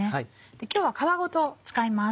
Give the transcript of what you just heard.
今日は皮ごと使います。